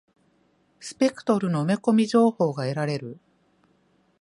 スペクトルの埋め込み情報が得られる。